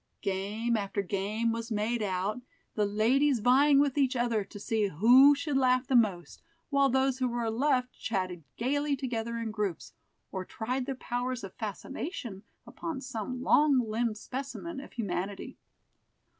Game after game was made out, the ladies vying with each other to see who should laugh the most, while those who were left chatted gayly together in groups, or tried their powers of fascination upon some long limbed specimen of humanity.